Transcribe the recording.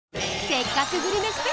「せっかくグルメＳＰ」